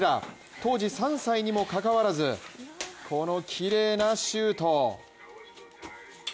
当時３歳にもかかわらずこのきれいなシュート。